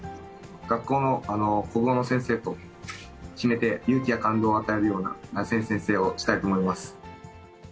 学校の国語の先生と決めて、勇気や感動を与えるような選手宣誓をしたいと思います。